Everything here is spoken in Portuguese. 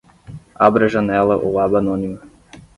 Abra a janela ou aba anônima